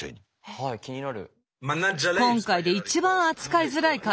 はい気になる。